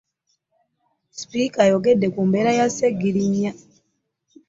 Sipika ayogedde ku mbeera ya ssegirinnya.